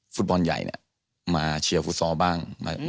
ฟุตบอลใหญ่มาเชียร์ฟุตซอลบ้าง